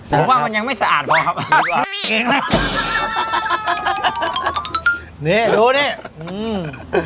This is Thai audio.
ผมว่ามันยังไม่สะอาดพอครับเนี้ยดูนี่อืม